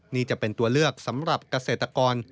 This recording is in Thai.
นี่จะเป็นตัวเลือกสำหรับเกษตรกร